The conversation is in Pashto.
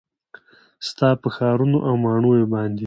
ستا په ښارونو او ماڼیو باندې